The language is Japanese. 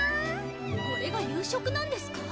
これが夕食なんですか？